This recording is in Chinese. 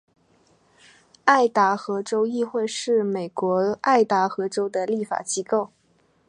爱达荷州议会是美国爱达荷州的立法机构。